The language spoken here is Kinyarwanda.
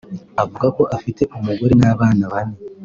avuga ko afite umugore n’abana bane